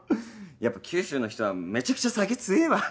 やっぱ九州の人はめちゃくちゃ酒強えわ。